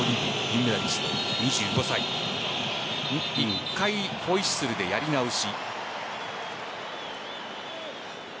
１回、ホイッスルでやり直し。